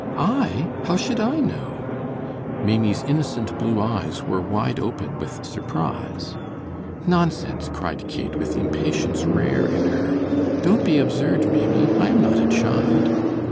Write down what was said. "I, how should I know?" Maimie's innocent blue eyes were wide open with surprise. "Nonsense," cried Kate, with impatience rare in her, "don't be absurd, Maimie; I am not a child."